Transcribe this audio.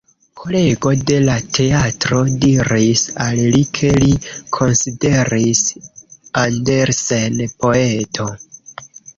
Kolego de la teatro diris al li ke li konsideris Andersen poeto.